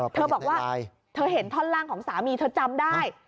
เธอบอกว่าเธอเห็นท่อนล่างของสามีเธอจำได้